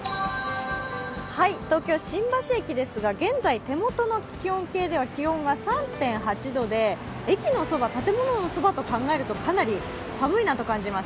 東京・新橋駅ですが現在、手元の気温計では気温が３．８度で駅のそば、建物のそばと考えるとかなり寒いなと感じます。